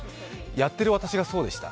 やっている私がそうでした。